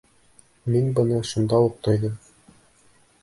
Мин быны шунда уҡ тойҙом.